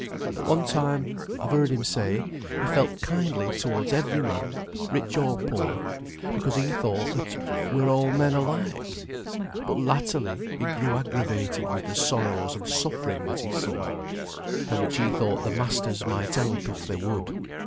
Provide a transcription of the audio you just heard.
At one time, I've heard him say, he felt kindly towards every man, rich or poor, because he thought they were all men alike. But latterly he grew aggravated with the sorrows and suffering that he saw, and which he thought the masters might help if they would."